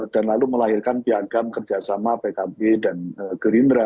dan lalu melahirkan piagam kerjasama pkb dan gerindra